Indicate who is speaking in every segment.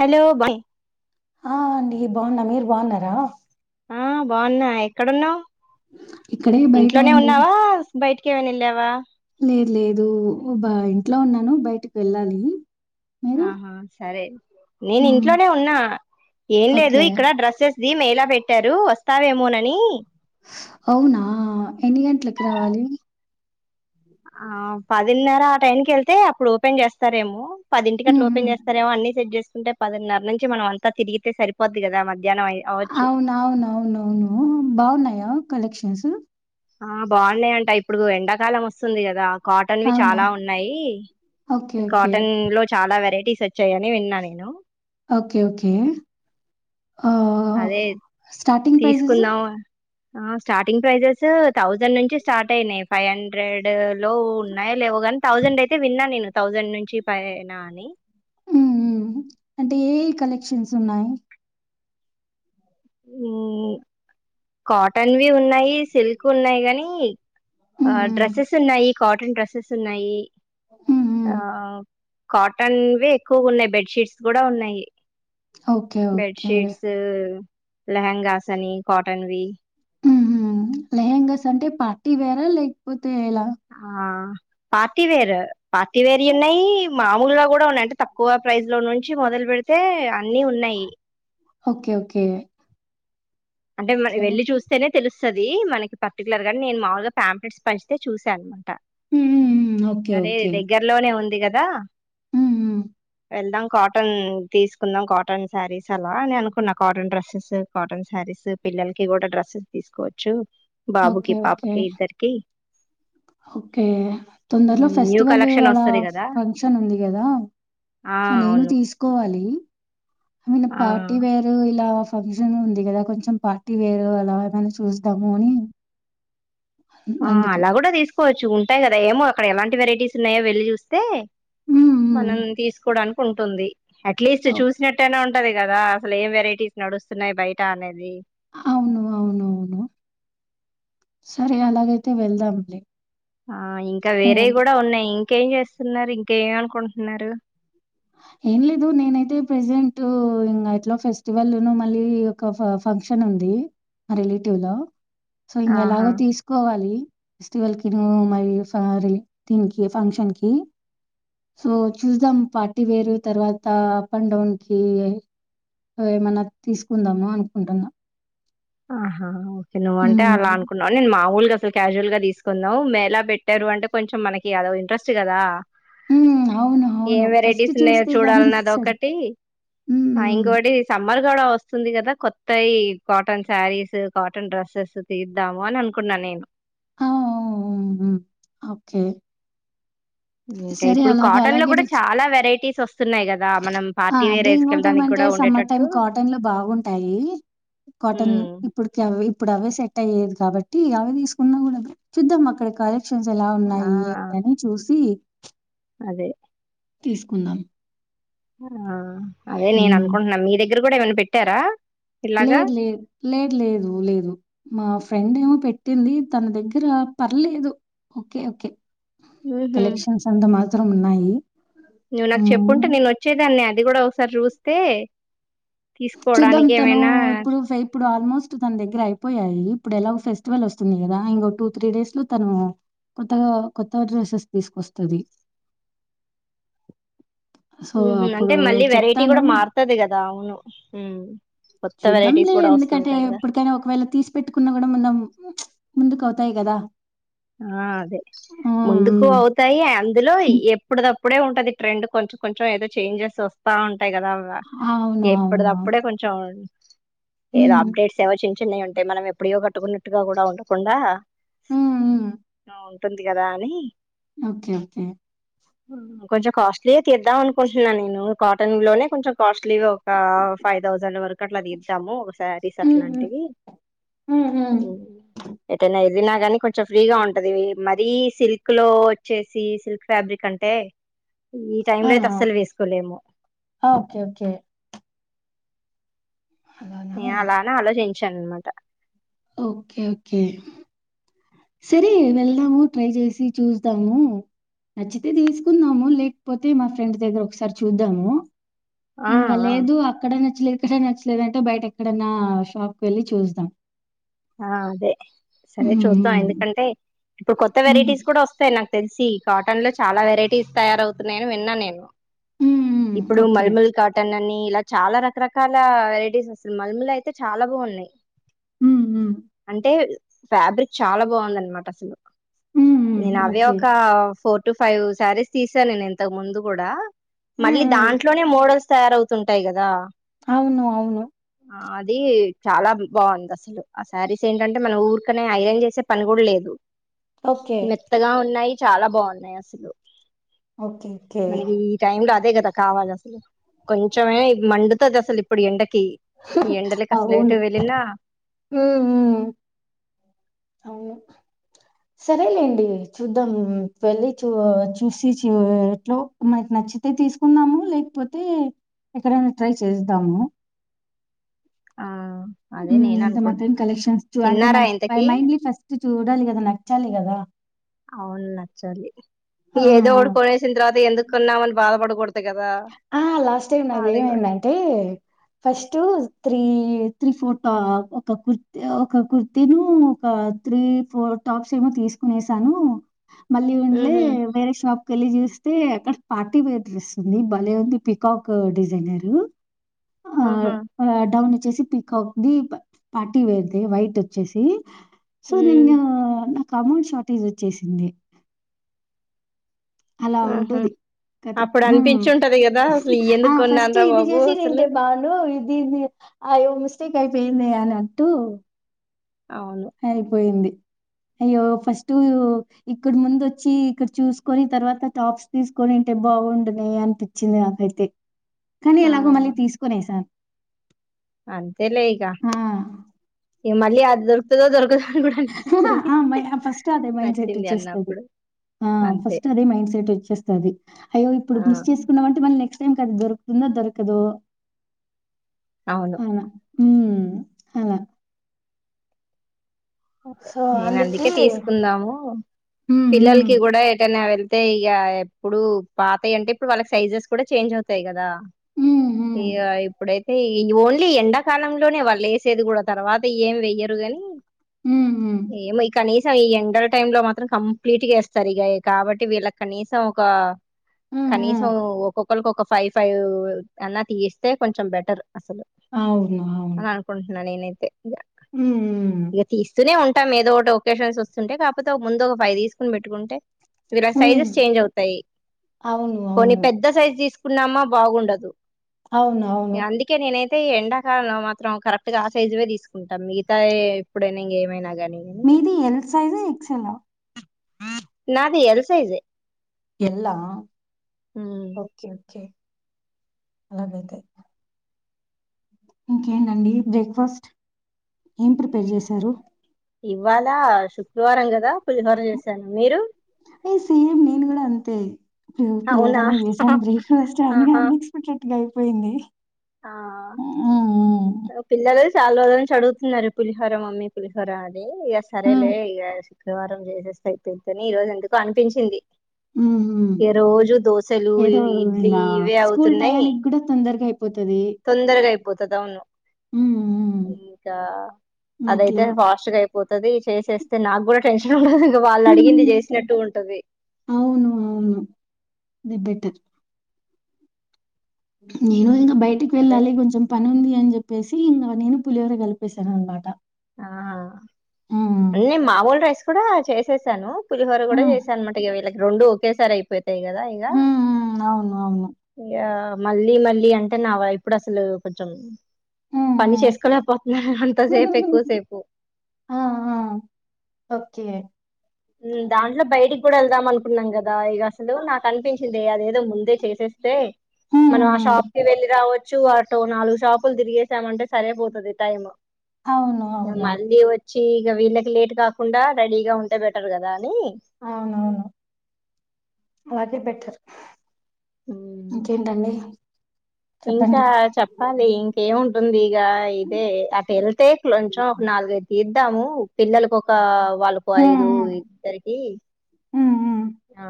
Speaker 1: Hello భాయ్
Speaker 2: హ అండి నిను బాగున్నా మీరు బాగున్నారా
Speaker 1: ఆ బాగున్నాయి ఎక్కడున్నావ్
Speaker 2: ఇక్కడే బయట
Speaker 1: ఇంట్లోనే
Speaker 2: అండి
Speaker 1: ఉన్నావా బయటికీ ఏమన్నా ఏళ్ళావా
Speaker 2: లేదు లేదు బా ఇంట్లో ఉన్నాను బయటికి వెళ్ళాలి మీరు
Speaker 1: ఆహా సరే నేను
Speaker 2: మ్మ్
Speaker 1: ఇంట్లోనే ఉన్నా ఏం లేదు
Speaker 2: ఓకే
Speaker 1: ఇక్కడ డ్రెస్సెస్ నిన్ ఎలా పెట్టారు వస్తావేమోనని
Speaker 2: అవునా ఎన్ని గంటలకి రావాలి
Speaker 1: ఆ పదిన్నర ఆ టైంకి వెళ్తే అప్పుడు ఓపెన్ చేస్తారేమో పదింటికి అట్లా
Speaker 2: మ్మ్
Speaker 1: ఓపెన్ చేస్తారేమో అన్న ముందే సెట్ చేసుకుంటే పదిన్నర నుంచి మనం అంతా తిరిగితే సరిపోద్ది కదా మధ్యాహ్నం అయి అవచ్చు
Speaker 2: అవున్ అవున్ అవున్ అవును బాగున్నాయా కలెక్షన్స్
Speaker 1: ఆ బాగున్నాయంట ఇప్పుడు ఎండాకాలం వస్తుంది కదా కాటన్ వి
Speaker 2: అవునా
Speaker 1: చాలా ఉన్నాయి
Speaker 2: ఓకే ఓకే
Speaker 1: కాటన్ లో చాలా వెరైటీ టి సచ్చయ్యనే [unintelligible] వెళ్ళా నీను
Speaker 2: ఓకే ఓకే ఆ
Speaker 1: అదే
Speaker 2: స్టార్టింగ్ ప్రైజెస్
Speaker 1: తీసుకుందాం ఆ స్టార్టింగ్ ప్రైజెస్ థౌజండ్ నుంచి స్టార్ట్ అయినాయి ఫైవ్ హండ్రెడ్ లో ఉన్నాయి లేవు కాని థౌజండ్ అయితే విన్నా నేను థౌజండ్ నుంచి పైన అని
Speaker 2: మ్మ్ అంటే ఏ ఏ కలెక్షన్స్ ఉన్నాయ్
Speaker 1: మ్మ్ కాటన్ వి ఉన్నాయి సిల్క్ వి ఉన్నాయి కాని ఆ
Speaker 2: మ్మ్ మ్మ్
Speaker 1: డ్రెస్సెస్ ఉన్నాయి కాటన్ డ్రెస్సెస్ ఉన్నాయి
Speaker 2: మ్మ్
Speaker 1: ఆ
Speaker 2: మ్మ్
Speaker 1: కాటన్వి ఎక్కువగా ఉన్నాయి బెడ్షీట్స్ కూడా ఉన్నాయి
Speaker 2: ఓకే ఓకే
Speaker 1: బెడ్షీట్స్ లెహెంగాసని కాటన్ వి
Speaker 2: లెహెంగస్ అంటే పార్టీ వేరా లేకపోతే ఎలా
Speaker 1: పార్టీవేరు పార్టీ వేరుయి ఉన్నాయ్ మామూలుగా కూడా ఉన్నాయి అంటే తక్కువ ప్రైస్ లో నుంచి మొదలు పెడితే అన్నిీ ఉన్నాయి
Speaker 2: ఓకే ఓకే
Speaker 1: అంటే మరి వెల్లి
Speaker 2: అట్లాగట్లా.
Speaker 1: చూస్తేనే తెలుస్తు స్తది మనకి పర్టికులర్ గా నేన్ మాముూలుగ పామ్ప్లెట్స్ పంచితే చూశానున మాట
Speaker 2: హ్మ్. హ్మ్. హ్మ్. ఓకే.
Speaker 1: సరే దగ్గరలోనే ఉంది కదా
Speaker 2: ఉహు
Speaker 1: వెళ్దాం కాటన్ తీసుకుందాం కాటన్ శారీస్ అలా అని అనుకున్నా కాటన్ డ్రెస్సెస్ కాటన్ శారీస్ పిల్లలకి కూడా డ్రెస్సెస్ తీసుకోవచ్చు
Speaker 2: ఓకే.
Speaker 1: బాబుకి
Speaker 2: ఓకే.
Speaker 1: పాపకి ఇద్దరికి
Speaker 2: ఓకే తొందరలో
Speaker 1: న్యూ
Speaker 2: ఫెస్టివల్
Speaker 1: కలెక్షన్
Speaker 2: అలా
Speaker 1: వస్తది కదా
Speaker 2: ఫంక్షన్ ఉంది కదా
Speaker 1: ఆ
Speaker 2: సో నేను
Speaker 1: అవును
Speaker 2: తీసుకోవాలి మీన్
Speaker 1: ఆ
Speaker 2: పార్టీ వేర్ ఇలా ఫంక్షన్ ఉంది కదా కొంచెం పార్టీ వేరు అలా ఏమైనా చూస్తద్దాము అని
Speaker 1: ఆ
Speaker 2: అందుకు.
Speaker 1: అలా కూడా తీసుకోవచ్చు ఉంటాయి కదా ఏమో అక్కడ ఎలాంటి వెరైటీస్ ఉన్నాయో వెళ్లి చూస్తే
Speaker 2: హ్మ్. హ్మ్.
Speaker 1: మనం తీసుకోడానికి ఉంటుంది అట్లీస్ట్
Speaker 2: ఓహ్!
Speaker 1: చూసినట్టయినా ఉు ఉంటది కదా అసలు ఏం వెరైటీస్ నడుస్తున్నాయి బయట అనేది
Speaker 2: అవును అవునఅవును సరే అలాగైతే వెళ్దాంలే
Speaker 1: ఆ ఇంకా
Speaker 2: ఏ
Speaker 1: వేరేవి కూడా ఉన్నాయి ఇంకేం చేస్తున్నారు ఇంక ఏమ అనుకుంటున్నారు
Speaker 2: ఏం లేదు నేనైతే ప్రెసెంట్ ఇంగ ఎట్లా ఫెస్టివల్ ను మళ్ళీ ఒక ఫంక్షన్ ఉంది మా రిలేటివ్ లో సో నేన్
Speaker 1: ఆహా
Speaker 2: ఎలాగో తీసుకోవాలి ఫెస్టివల్కీ ను మ సారి దీన్కి ఫంక్షన్కి సో చూస్దం పార్టీ వేరు తర్వాత అప్ అండ్ డౌన్ కి ఏమన్నా తీసుకుందాము అనుకుంటున్నా
Speaker 1: ఆహా ఓకే నువ్వు అంటే అలా
Speaker 2: హ్మ్.
Speaker 1: అకున్నావు నేను మా ఊలుగా అసలు క్యాజువల్ గా తీసుకుందాం మేలా పెట్టారు అంటే కొంచెం మనకి అదో ఇంట్రస్ట్ కదా
Speaker 2: హ్మ్. అవును.
Speaker 1: ఏం
Speaker 2: అవును. ఫస్ట్
Speaker 1: వెరైటీస్ ఉన్నాయో
Speaker 2: చూస్తే గాని
Speaker 1: చూడాలన్నది
Speaker 2: సరి
Speaker 1: ఒకటి
Speaker 2: హ్మ్.
Speaker 1: అ
Speaker 2: హ్మ్.
Speaker 1: ఇంకోటి సమ్మర్ కూడా వస్తుంది కదా కొత్తయి కాటన్ శారీస్ కాటన్ డ్రస్సెస్ తీద్దాము అని అనుకున్నాను నేను
Speaker 2: ఉహు ఓకే
Speaker 1: ఇంకా
Speaker 2: సరే
Speaker 1: ఇప్పుడు
Speaker 2: అలాగే
Speaker 1: కాటన్ లో
Speaker 2: అలాగే
Speaker 1: కూడా
Speaker 2: నెక్స్ట్
Speaker 1: చాలా వెరైటీస్ వస్తున్నాయి కదా మనం
Speaker 2: ఆ
Speaker 1: పార్టీ వేర్
Speaker 2: అంటే ఇంకోటి
Speaker 1: వేసుకెళ్ళడానికి
Speaker 2: ఏమంటే
Speaker 1: కూడా
Speaker 2: సమ్మర్ టైం
Speaker 1: ఉండేటట్టు
Speaker 2: కాటన్ లో బాగుంటాయి కాటన్
Speaker 1: ఉమ్
Speaker 2: ఇప్పుడుకి అవ్వే ఇప్పుడు అవే సెట్ అయి లేదు కాబట్టి అవి తీసుకున్నా కూడా చూద్దాం అక్కడకి కాలే క్షన్స్ ఎలా
Speaker 1: ఆ
Speaker 2: ఉన్నాయి ఏంటి అని చూసి
Speaker 1: అదే
Speaker 2: తీసుకుందాం
Speaker 1: ఆ అదే నేను
Speaker 2: హ్మ్.
Speaker 1: అనుకుంటున్నా మీ దగ్గర కూడా ఏమైనా పెట్టారా ఇలాగా
Speaker 2: లేదు లేదు లేదు లేదు లేదు మా ఫ్రెండ్ ఏమో పెట్ పట్టింది తన దగ్గర పర్లేదు ఓకే ఓకే
Speaker 1: ఉహు
Speaker 2: కలెక్షన్స్ అంటే మ చిత్రం ఉన్నాయి
Speaker 1: నువ్వు నాకు చెప్పుంటే
Speaker 2: హ్మ్.
Speaker 1: నేను వచ్చేదాన్ని అది కూడా ఒకసారి చూస్తే
Speaker 2: చూద్దాం
Speaker 1: తీసుకోవడానికి
Speaker 2: తను
Speaker 1: ఏమైనా
Speaker 2: ఇప్పుడు ఇప్పుడు ఆల్మోస్ట్ తన దగ్గర అయిపోయాయి ఇప్పుడు ఎలాగో ఫెస్టివల్ వస్తుంది కదా ఇంగో టూ త్రీ డేస్ లో తను కొత్తగా కొత్తగ డ్రెస్సెస్ తీసుకొస్తది
Speaker 1: ఉహు
Speaker 2: అప్పుడు
Speaker 1: అంటే మళ్ళీ వెరైటీ
Speaker 2: చెప్తాను
Speaker 1: కూడా మారుతది కదా అవును కొత్త వెరైటీస్
Speaker 2: చూద్దాంలే
Speaker 1: కూడా
Speaker 2: ఎందుకంటే
Speaker 1: వస్తుంటాయి కదా
Speaker 2: ఇప్పుడుకనా ఒకవేళ తీసి పెట్టుకున్న కూడా మానం ముందుకు అవుతాయి కదా
Speaker 1: ఆ అదే
Speaker 2: ఉమ్,
Speaker 1: ముందుకు
Speaker 2: ఉమ్.
Speaker 1: అవుతాయి అందులో ఎప్పుడు త ఇప్పుడే ఉంటుంది ట్రెండ్ కొంచం కొంచెం ఏదో చేంజెస్ వస్తా ఉంట ఉంటాయి కదా
Speaker 2: అవును
Speaker 1: ఎప్పుడు
Speaker 2: అవును
Speaker 1: అప్పుడే కొంచెం ఏదో
Speaker 2: ఉమ్,
Speaker 1: అప్డేట్స్ ఏవో చిన్న చిన్నవి ఉంటాయి మనం ఎప్పుడి కట్టుకున్నట్టుగా కూడా ఉండకుండా
Speaker 2: ఉమ్, ఉమ్.
Speaker 1: ఆ, ఉంటుంది కదా అని
Speaker 2: ఓకే ఓకే
Speaker 1: కొంచెం కాస్ట్లీఆ తీద్దాం అనుకుంటున్నా నేను కాటన్ లోనే కొంచెం కాస్ట్లీ ఇట్ ఒక ఫైవ్ థౌసండ్ వరకు అట్లా దిద్దాము సరీస్
Speaker 2: ఉమ్, ఉమ్,
Speaker 1: అట్లాంటివి
Speaker 2: ఉమ్, ఉమ్.
Speaker 1: ఏనా వెళ్ళినా కానీ కొంచ కొంచం ఫ్రీగా ఉంటది మరీ సిల్క్ లో వచ్చేసి సిల్క్ ఫ్యాబ్రిక్ అంటే ఈ టై
Speaker 2: ఆ,
Speaker 1: లో అయితే అస్సలు వేసుకోలేము
Speaker 2: ఆ, ఓకే ఓకే అలానా
Speaker 1: నే అలానే ఆలోచించాను అనమాట
Speaker 2: ఓకే ఓకే సిరి వెళ్దాము ట్రై చేసి చూదాము నచ్చితే తీసుకుందాము లేకపోతే మా ఫ్రెండ్ దగ్గర ఒకసారి చూద్దాము
Speaker 1: ఆ
Speaker 2: ఇంకా
Speaker 1: ఆ
Speaker 2: లేదు అక్కడ నచ్చలే ఎక్కడ నచ్చలేదంటే బయట ఎక్కడన్నా షాప్ క వెళ్ళి చూస్తద్దాం
Speaker 1: ఆ అదే సరే చూద్దాం
Speaker 2: హ్మ్. హ్మ్.
Speaker 1: ఎందుకంటే ఇప్పుడు కొత్త
Speaker 2: హ్మ్.
Speaker 1: వెరైటీస్ కూడా వస్తాయి నాకు తెలిసి కాటన్ లో చాలా వెరైటీస్ తయారవుతున్నాయని విన్నా నేను
Speaker 2: హ్మ్. హ్మ్.
Speaker 1: ఇప్పుడు
Speaker 2: ఓకే.
Speaker 1: మల్మూల్ కాటన్ అన్ని ఇలా చాలా రకరకాల వెరైటీస్ వసలు మల్మల అయితే చాలా బాగున్నాయి
Speaker 2: హ్మ్. హ్మ్.
Speaker 1: అంటే ఫ్యాబ్రిక్ చాలా బాగుంది అనమాట అసలు
Speaker 2: హ్మ్. హ్మ్.
Speaker 1: నేను అవే
Speaker 2: ఓకే.
Speaker 1: ఒక ఫోర్ టు ఫైవ్ శారీస్ తీసాను నేను ఇంతకు ముందు కూడా
Speaker 2: హ్మ్.
Speaker 1: మళ్ళీ
Speaker 2: హ్మ్.
Speaker 1: దాంట్లోనే మోడల్స్ తయారవుతుంటాయి కదా
Speaker 2: అవును అవును
Speaker 1: ఆ అది చాలా బాగుంది అసలు ఆ శారీస్ ఏంటంటే మనం ఊరికనే ఐరన్ చేసే పని కూడా లేదు
Speaker 2: ఓకే.
Speaker 1: మెత్తగా ఉన్నాయి చాలా బాగున్నాయి అసలు
Speaker 2: ఓకే. ఓకే.
Speaker 1: మనకి ఈ టైమ్ లో అదే క కావాలి అసలు కొంచమే మండుతది అసలు ఇప్పుడు ఎండ ఈ ఎండలకి అసలు ఎటు
Speaker 2: అవును.
Speaker 1: వెళ్లినా
Speaker 2: హ్మ్. హ్మ్. అవును. సరేలేండి చూద్దాం వెళ్ళి చూ చూసి చూట్లో మనకి నచ్చితే తీసుకుందాము లేకపోతే ఎక్కడైనా ట్రై చేద్దాము
Speaker 1: ఆ అదే నేను
Speaker 2: ఎంత మాత్రం
Speaker 1: అనుకుంటున్నా
Speaker 2: కలెక్షన్స్ చూ అంటే
Speaker 1: తిన్నారా
Speaker 2: మనకి
Speaker 1: ఇంతకి
Speaker 2: మైండ్లీ ఫస్ట్ చూడాలి కదా నచ్చాలి కదా
Speaker 1: అవును నచ్చి ఏదో
Speaker 2: ఆ
Speaker 1: డుకనేసిన తర్వాత ఎందుకున్నామని బాధపడకూడదు కదా
Speaker 2: ఆ లాస్ట్ టైం నాది
Speaker 1: అది కూడా
Speaker 2: ఏమైందంటే ఫస్ట్ త్రీ త్రీ ఫోర్ట్ ఒక కుర్తి ఒక కుర్తిను ఒక త్రీ ఫోర్ టాప్స్ ఏమో తీసుకునేసాను మళ్ళీ ఉండలే
Speaker 1: ఉహు
Speaker 2: వేరే షాప్ క వెళ్ళి చూస్తే అక్కడ పార్టీ వేర్ డ్రెస్ భలే ఉంది పికాక్ డిజైనర్ ఆ
Speaker 1: ఆహా
Speaker 2: డౌన్ వచ్చేసి పిక్వుంది పార్టీ వేర్ ది వైట్ వచ్చేసి సో
Speaker 1: ఉ
Speaker 2: నిన్న నాకు అమౌంట్ షార్టేజ్ వచ్చేసింది అలా
Speaker 1: ఆహా
Speaker 2: ఉంటుది కథ
Speaker 1: అప్పుడు అనిపించుంటది కదా అసలు
Speaker 2: ఆ
Speaker 1: ఎందుకు
Speaker 2: ఫస్ట్
Speaker 1: కొన్నాన్రా
Speaker 2: ఇది
Speaker 1: బాబు
Speaker 2: చేసి
Speaker 1: అసలు
Speaker 2: నేంటే బాను దీ అయో మిస్టేక్ అయిపోయింది అని అంటూ
Speaker 1: అవును
Speaker 2: అయిపోయింది అయ్యో ఫస్ట్ ఇక్కడ ముందు వచ్చి ఇక్కడ చూసుకొని తర్వాత టాప్స్ తీసుకొనింటే బా గుండునేయి అనిపిచ్చింది నాకైతే. కానీ
Speaker 1: ఆ
Speaker 2: ఎలాగో మళ్ళీ తీసుకునేసా
Speaker 1: అంతేలే ఇగా
Speaker 2: ఆ
Speaker 1: మళ్ళీ అదిదో రుకుతదో దొరకదు అని కూడా అనిపిస్తది
Speaker 2: ఆ మై ఫస్ట్ అదే మైండ్ సెట్
Speaker 1: నచ్చింది
Speaker 2: వచ్చేస్తది
Speaker 1: అన్నప్పుడు.
Speaker 2: ఆ
Speaker 1: అంతే
Speaker 2: ఫస్ట్ అదే మైండ్ సెట్ వచ్చేస్తది. అయ్యో ఇప్పుడు
Speaker 1: ఆ
Speaker 2: మిస్ చేసుకున్నమంటే మళ్ళీ నెక్స్ట్ టైం కది దొరకుతుందో దొరకదో
Speaker 1: అవును
Speaker 2: అలా హ్ హా
Speaker 1: అదే నేను అందుకే తీసుకుందాము.
Speaker 2: ఉమ్ ఉమ్
Speaker 1: పిల్లలకి కూడా ఏటైనా వెళి తే ఇగా ఎప్పుడు పాతయి అంటే ఇప్పుడు వాళ్ళకి సైజెస్ కూడా చేంజ్ అయితాయి కదా.
Speaker 2: ఉమ్ ఉమ్
Speaker 1: ఇగా ఇప్పుడైతే ఈ ఓన్లీ ఎండాకాలంలోనే వాళ్ళు ఎసేది కూడా తరువాత ఇయేం వెయ్యరు కానీ
Speaker 2: హ్మ్. హ్మ్.
Speaker 1: ఎమో కనీ సం ఈ ఎండల టైమ్ లో మాత్రం కంప్లీట్గా ఎస్తరు ఇగా కాబట్టి వీళ్ళకి కనీసం ఒక
Speaker 2: ఆ!
Speaker 1: కనీసం
Speaker 2: ఆ!
Speaker 1: ఒక్కొక్కలకు ఒక ఫైవ్ ఫైవ్ అన్న తీయిస్తే కొంచెం బెటర్. అసలు
Speaker 2: అవును.
Speaker 1: అని అనుకుంటున్న నేనైతే ఇగ
Speaker 2: ఉ
Speaker 1: ఇగ తీస్తూనే ఉంటాం ఏదో ఒకటి ఒకేషన్స్ వస్తుంటే, కాకపోతే ఒక ముందు ఒక ఫైవ్ తీసుకొని పెట్టుకుంటే వీళ్లా
Speaker 2: హ్మ్.
Speaker 1: సైజెస్ చేంజ్ అవుతాయి.
Speaker 2: అవును.
Speaker 1: పోని
Speaker 2: అవును.
Speaker 1: పెద్ద సైజ్ తీసు కున్నామా బాగుండదు.
Speaker 2: అవునవును.
Speaker 1: అయితే ఈ ఎండాకాలంలో మాత్రం కరెక్ట్ గా ఆ సైజువే తీసుకుంటాం మిగతా ఎప్పుడైనా ఇంగా ఏమైనా కానీ.
Speaker 2: మీది ఎల్ సైజా, ఎక్సెల్ ఆ
Speaker 1: నాది ఎల్ సైజే.
Speaker 2: ఎల్ ఆ
Speaker 1: ఉమ్
Speaker 2: ఓకే ఓకే. అలాగైతే ఇంకేంటండి బ్రేక్ఫాస్ట్ ఏం ప్రిపేర్ చేశారు.
Speaker 1: ఇవ్వాలా శుక్రవారం కదా పులిహోర చేశాను. మీరు?
Speaker 2: నేను సేమ్ నేను కూడా అంతే. పు
Speaker 1: అవునా
Speaker 2: పులిహోరానే చేసాను బ్రేక్ఫాస్ట్ అందుకే
Speaker 1: ఆహా
Speaker 2: అన్ఎక్స్పెక్టెడ్ గా అయిపోయింది.
Speaker 1: ఆ
Speaker 2: హ్మ్. హ్మ్.
Speaker 1: ఓ పిల్లలు చాలా రోజుల నుంచి అడుగుతున్నారు. పులిహోర మమ్మీ పులిహోర అని ఇగా సరేలే
Speaker 2: హ్మ్.
Speaker 1: ఇగ శుక్రవారం చేసేస్తే అయిపోద్దని ఈ రోజు ఎందుకో అనిపించింది.
Speaker 2: హుహ్
Speaker 1: ఇక రోజు దోశలు
Speaker 2: ఏదో
Speaker 1: ఇడ్లీ
Speaker 2: ఇగా
Speaker 1: ఇవే
Speaker 2: స్కూల్
Speaker 1: అవుతున్నాయి
Speaker 2: టయానికి కూడా తొందరగా అయి పోతది.
Speaker 1: అయిపోతదవును. ఇంకా
Speaker 2: హ్మ్.
Speaker 1: అదయితే
Speaker 2: అట్లా.
Speaker 1: ఫాస్ట్ గా అయిపో పోతది చేసేస్తే నాకు కూడా టెన్షన్ ఉండదు. ఇగ వాళ్ళు అడిగింది
Speaker 2: హ్మ్.
Speaker 1: చేసినట్టు ఉంటది.
Speaker 2: త నేను ఇంకా
Speaker 1: ఉమ్,
Speaker 2: బయటకి
Speaker 1: సరే
Speaker 2: వెళ్ళాలి కొంచెం పని ఉంది అని చెపి చేపెసి ఇంగా నేను పులిహోర కలిపేసాను అనమాట.
Speaker 1: అన్నే మామూలు రైస్ కూడా చేసేసాను. పులిహోర
Speaker 2: హ్మ్.
Speaker 1: కూడా చేసా అనమాట ఇగా వీళ్ళకి. రొండు ఒకేసారి అయిపోతాయి కదా ఇగా,
Speaker 2: హ్మ్. హ్మ్. అవును. అవును.
Speaker 1: ఇగా మళ్ళీ మళ్ళీ అంటే నా ఇప్పుడు అసలు కొంచెం
Speaker 2: హ్మ్.
Speaker 1: పని చేసుకోలేకపోతున్నారు అంతసేపు.
Speaker 2: హ్మ్.
Speaker 1: పెక్కువ సేపు.
Speaker 2: చే
Speaker 1: దాంట్లో బయటికి కూడా వెళ్దాం అనుకున్నాం కదా. ఇగ అసలు నాకు అనిపించింది అదే దో ముందే చేసేస్తే
Speaker 2: హ్మ్.
Speaker 1: మనం ఆ
Speaker 2: హ్మ్.
Speaker 1: షాప్ కి వెళ్ళి రావ చ్చు, అటో నాలుగు షాపులు తిరిగసామంటే సరేపోతుంది టైమ్.
Speaker 2: అవును అవునవును.
Speaker 1: చ్చి ఇగా వీళ్ళకి లేట్ కాకుండా రెడీగా ఉంటే బెటర్ కదా. అని
Speaker 2: అవునవును అలాగే బెటర్
Speaker 1: ఉమ్,
Speaker 2: ఇంకేంటండి
Speaker 1: ఇంకా
Speaker 2: చెప్పండి.
Speaker 1: చెప్పాలి ఇంకేముంటుంది ఇక ఇదే అటు వెళ్తే కొంచెం ఒక నా నాలుగై తీద్దాము పిల్లలలకు ఒకక వాళ్ళకు
Speaker 2: హ్మ్. హ్మ్.
Speaker 1: ఐదుద్దరికి
Speaker 2: హ్మ్. హ్మ్.
Speaker 1: ఆ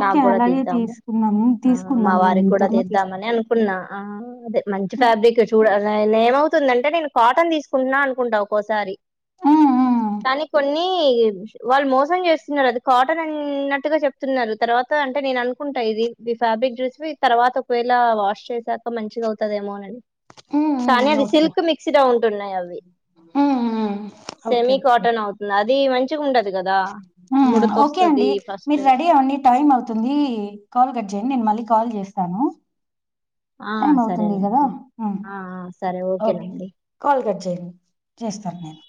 Speaker 2: ఓకే.
Speaker 1: నాకు కూడా
Speaker 2: అలాగే
Speaker 1: తీద్దాము
Speaker 2: తీసుకుందాము.
Speaker 1: ఆ మా
Speaker 2: తీసుకుందాంలెండి.
Speaker 1: వారికి కూడా
Speaker 2: ఇద్దరము తీసుకు
Speaker 1: తీద్దామని అనుకున్నా ఆ అదే మంచి
Speaker 2: హ్మ్.
Speaker 1: ఫ్యాబ్రిక్ చూడాలి అ ఏమవుతుందంటే నేను కాటన్ తీసుకుంటున్నా అనుకుంటా ఒక్కసారి
Speaker 2: హ్మ్. హ్మ్.
Speaker 1: కానీ కొన్ని వాళ్ళు మోసం చేస్తున్నారు అది కాటన్ అన్నట్టు గా చెప్తున్నారు తర్వాత అంటే నేను అనుకుంటా ఇది ఫ్యాబ్రిక్ చూసి తర్వాత ఒకవేళ వాష్ చేసా మంచిగా అవుతదేమో అనిది
Speaker 2: హ్మ్. హ్మ్.
Speaker 1: కానీ అది
Speaker 2: ఓకే.
Speaker 1: సిల్క్ మిక్స ఉంటుంది న్నాయి అవి
Speaker 2: హ్మ్. హ్మ్. ఓకే.
Speaker 1: Semi
Speaker 2: okay.
Speaker 1: కాటన్ అవుతుంది అది మంచి మచ్చి ఉండది కదా
Speaker 2: హ్మ్
Speaker 1: ముడుత
Speaker 2: ఓకే
Speaker 1: వస్తుంది
Speaker 2: అండి.
Speaker 1: ఫస్ట్
Speaker 2: మీరు రెడీ అవ్వండి టైమ్ అవుతుంది కాల్ కట్ చేయండి నేను మళ్ళీ కాల్ చేస్తాను
Speaker 1: ఆ
Speaker 2: ఏం అవుతుంది
Speaker 1: సరేనండి ఆ ఆ సరే
Speaker 2: కదాక
Speaker 1: ఓకేనండి
Speaker 2: కాల్ చేస్తాను నేను